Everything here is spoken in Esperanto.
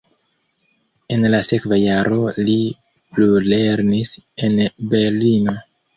En la sekva jaro li plulernis en Berlino.